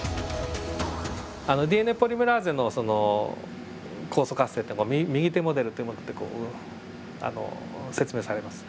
ＤＮＡポリメラーゼのその酵素活性って右手モデルというもので説明されます。